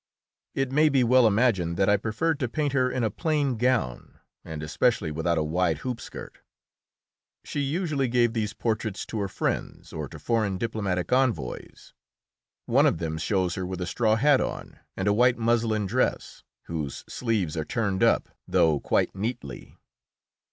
It may be well imagined that I preferred to paint her in a plain gown and especially without a wide hoopskirt. She usually gave these portraits to her friends or to foreign diplomatic envoys. One of them shows her with a straw hat on, and a white muslin dress, whose sleeves are turned up, though quite neatly.